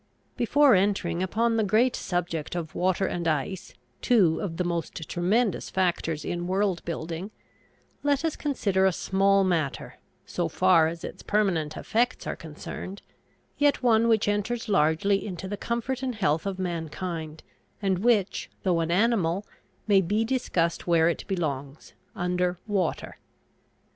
Before entering upon the great subject of water and ice two of the most tremendous factors in world building let us consider a small matter, so far as its permanent effects are concerned, yet one which enters largely into the comfort and health of mankind, and which, though an animal, may be discussed where it belongs under "Water."